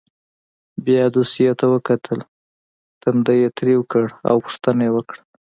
بیا یې دوسیې ته وکتل ټنډه یې تروه کړه او پوښتنه یې وکړه.